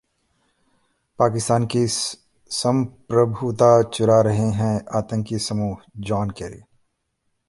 पाकिस्तान की सम्प्रभुता चुरा रहे हैं आतंकी समूहः जॉन कैरी